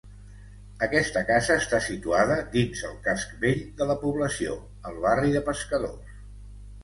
Aquesta casa està situada dins el casc vell de la població, el barri de pescadors.